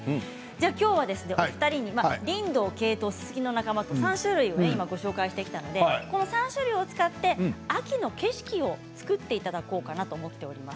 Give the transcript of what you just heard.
きょうはお二人にリンドウケイトウ、ススキの仲間３種類ご紹介してきたのでこの３種類を使って秋の景色を作っていただこうかなと思っております。